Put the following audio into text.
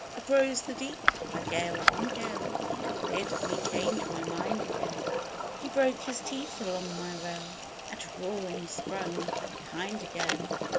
Uprose the deep, by gale on gale, To bid me change my mind again He broke his teeth along my rail, And, roaring, swung behind again.